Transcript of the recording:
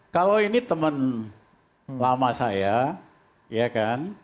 kalau ini teman lama saya ya kan